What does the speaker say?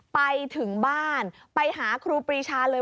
ไปถึงบ้านไปหาครูปรีชาเลย